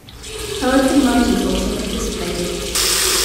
Poets and writers also participated.